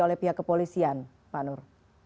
oleh pihak kepolisian pak nur